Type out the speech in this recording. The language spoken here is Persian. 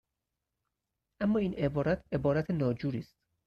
اما این عبارت، عبارت ناجوری است.